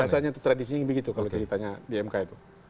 biasanya itu tradisinya begitu kalau ceritanya di mk itu